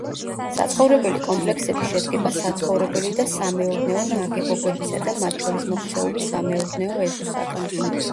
საცხოვრებელი კომპლექსები შედგება საცხოვრებელი და სამეურნეო ნაგებობებისა და მათ შორის მოქცეული სამეურნეო ეზოსაგან.